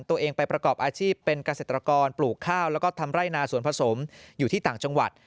ตัวเองไปประกอบอาชีพเป็นเกษตรกรปลูกข้าวแล้วก็ทำไร่นาสวนผสมอยู่ที่ต่างจังหวัด